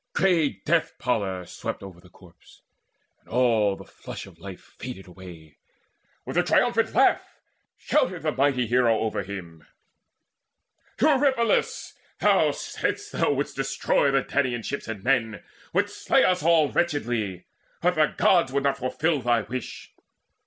Grey death pallor swept Over the corpse, and all the flush of life Faded away. With a triumphant laugh Shouted the mighty hero over him: "Eurypylus, thou saidst thou wouldst destroy The Danaan ships and men, wouldst slay us all Wretchedly but the Gods would not fulfil Thy wish.